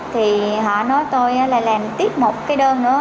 thì họ nói tôi là làm tiếp một cái đơn nữa